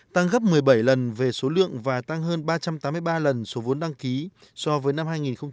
tăng gấp một mươi bảy lần về số lượng và tăng hơn ba trăm tám mươi ba lần số vốn đăng ký so với năm hai nghìn bốn